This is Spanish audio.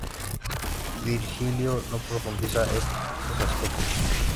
Virgilio no profundiza estos aspectos.